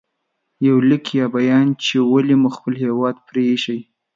• یو لیک یا بیان چې ولې مو خپل هېواد پرې ایښی